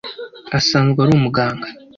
asanzwe ari umuganga